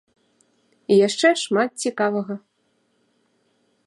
І яшчэ шмат цікавага.